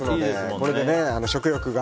これで食欲が。